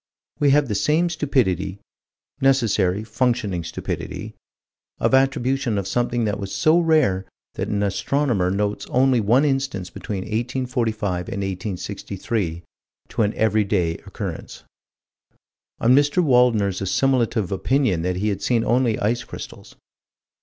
We have the same stupidity necessary, functioning stupidity of attribution of something that was so rare that an astronomer notes only one instance between 1845 and 1863, to an every day occurrence Or Mr. Waldner's assimilative opinion that he had seen only ice crystals.